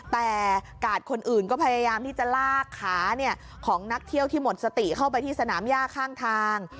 แต่กาดคนอื่นก็พยายามที่จะลากขาของนักเที่ยวที่หมดสติเข้าไปที่สนามย่าข้างทาง